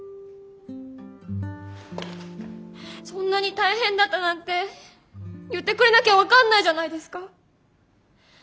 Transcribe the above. そんなに大変だったなんて言ってくれなきゃ分かんないじゃないですか。